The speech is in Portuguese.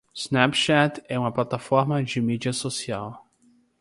Snapchat é uma plataforma de mídia social.